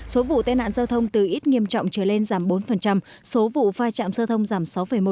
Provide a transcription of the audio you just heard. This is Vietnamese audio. số vụ tai nạn giao thông từ ít nghiêm trọng trở lên giảm bốn số vụ vai trạm giao thông giảm sáu một